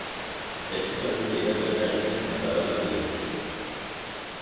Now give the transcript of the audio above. Ez zuten luze iraun elkarrekin eta banatu egin ziren.